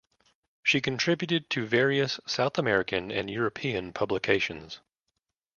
She contributed to various South American and European publications.